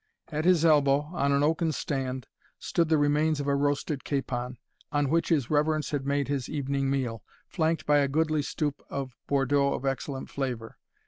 At his elbow, on an oaken stand, stood the remains of a roasted capon, on which his reverence had made his evening meal, flanked by a goodly stoup of Bordeaux of excellent flavour.